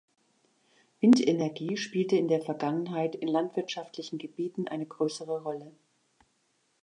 Windenergie spielte in der Vergangenheit in landwirtschaftlichen Gebieten eine größere Rolle.